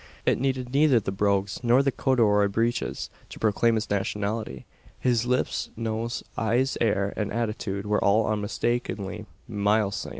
It needed neither the brogues, nor the corduroy breeches, to proclaim his nationality. His lips, nose, eyes, air, and attitude, were all unmistakably Milesian.